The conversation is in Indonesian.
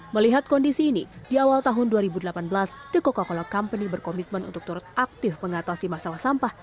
melihat kondisi ini di awal tahun dua ribu delapan belas the coca cola company berkomitmen untuk turut aktif mengatasi masalah sampah